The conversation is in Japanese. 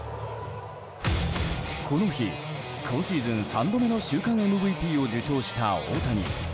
この日、今シーズン３度目の週間ＭＶＰを受賞した大谷。